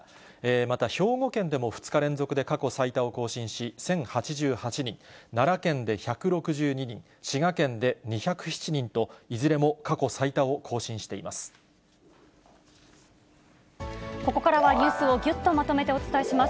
また兵庫県でも２日連続で過去最多を更新し１０８８人、奈良県で１６２人、滋賀県で２０７人と、いずれも過去最多を更新していまここからはニュースをぎゅっとまとめてお伝えします。